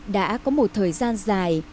đã có một thời gian dài